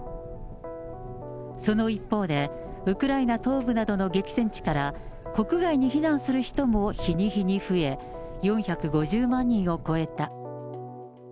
その一方で、ウクライナ東部などの激戦地から国外に避難する人も日に日に増え、４５０万人を超えた。